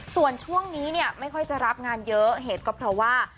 ส่วนช่วงนี้เนี่ยไม่ค่อยจะรับงานเยอะเหตุก็เพราะว่า